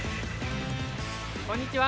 こんにちは。